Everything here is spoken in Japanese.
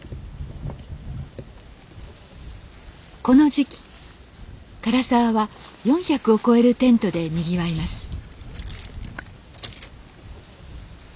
この時期涸沢は４００を超えるテントでにぎわいます